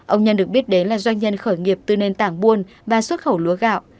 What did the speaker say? ông nhân được biết đến là doanh nhân khởi nghiệp từ nền tảng buôn và xuất khẩu lúa gạo